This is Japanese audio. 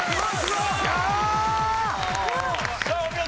さあお見事。